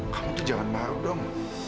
kamu tuh jangan marah dong